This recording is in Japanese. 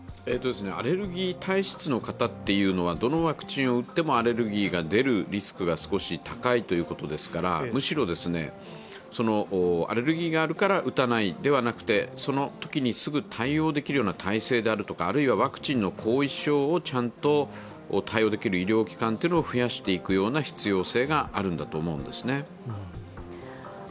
アレルギー体質の方は、どのワクチンを打ってもリスクが高いわけですからむしろ、アレルギーがあるから打たないではなくて、そのときにすぐ対応できるような体制であるとかあるいはワクチンの後遺症をちゃんと対応できる医療機関を増やしていく必要性があるんだと思うんですね。